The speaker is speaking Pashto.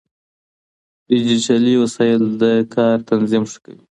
ډيجيټلي وسايل د کار تنظيم ښه کوي.